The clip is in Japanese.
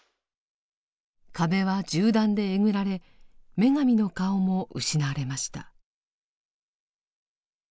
壁は銃弾でえぐられ女神の顔も失われました。